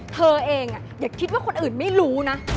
เธอเองอย่าคิดว่าคนอื่นไม่รู้นะ